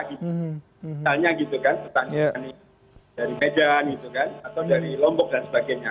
misalnya gitu kan petani petani dari medan gitu kan atau dari lombok dan sebagainya